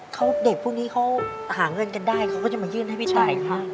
เขาเด็กพรุ่งนี้เขาหาเงินกันได้จะมายื่นให้พี่ตัวอีน